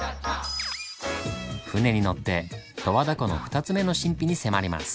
船に乗って十和田湖の２つ目の神秘に迫ります。